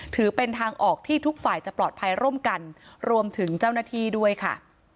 ถือเป็นทางออกที่ทุกฝ่ายจะปลอดภัยร่วมกันรวมถึงเจ้าหน้าที่ด้วยค่ะ